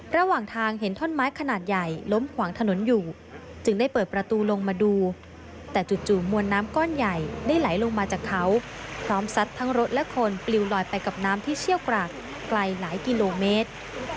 ระหว่างทางเห็นท่อนไม้ขนาดใหญ่ล้มขวางถนนอยู่จึงได้เปิดประตูลงมาดูแต่จู่มวลน้ำก้อนใหญ่ได้ไหลลงมาจากเขาพร้อมซัดทั้งรถและคนปลิวลอยไปกับน้ำที่เชี่ยวกรากไกลหลายกิโลเมตร